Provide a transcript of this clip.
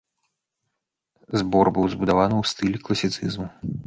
Збор быў збудаваны ў стылі класіцызму.